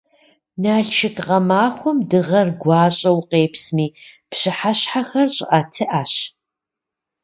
Налшык гъэмахуэм дыгъэр гуащӏэу къепсми, пщыхьэщхьэхэр щӏыӏэтыӏэщ.